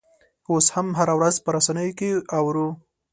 اوس هم هره ورځ په رسنیو کې اورو.